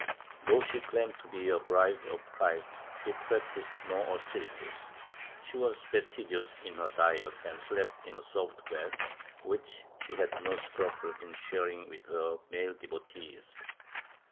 Though she claimed to be a bride of Clirist, she practised no austerities ; she was fastidious in her diet and slept in a soft bed, which she had no scruple in sharing with her male devotees.